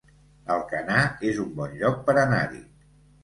Alcanar es un bon lloc per anar-hi